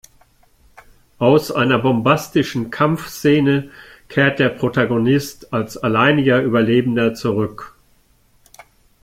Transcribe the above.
Aus einer bombastischen Kampfszene kehrt der Protagonist als alleiniger Überlebender zurück.